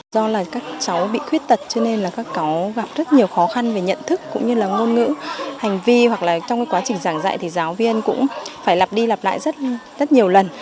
do là các cháu bị khuyết tật cho nên là các cháu gặp rất nhiều khó khăn về nhận thức cũng như là ngôn ngữ hành vi hoặc là trong quá trình giảng dạy thì giáo viên cũng phải lặp đi lặp lại rất nhiều lần